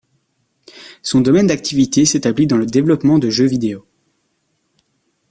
Son domaine d'activité s'établit dans le développement de jeux vidéo.